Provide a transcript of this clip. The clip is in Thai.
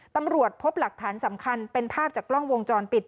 ตำรวจพบหลักฐานสำคัญเป็นภาพจากกล้องวงจรปิด